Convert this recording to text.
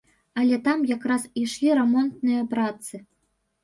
Але там якраз ішлі рамонтныя працы.